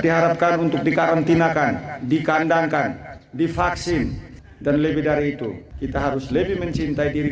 diharapkan untuk dikarantinakan dikandangkan divaksin dan lebih dari itu kita harus lebih mencintai diri